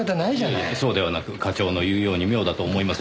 いえいえそうではなく課長の言うように妙だと思いませんか？